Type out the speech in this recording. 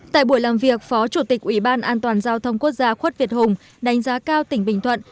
tại buổi làm việc phó chủ tịch ủy ban an toàn giao thông quốc gia khuất việt hùng đánh giá cao tỉnh bình thuận